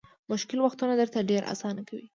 مشکل وختونه درته ډېر اسانه کوي.